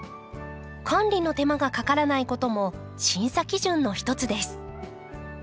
管理の手間がかからないことも審査基準の一つです。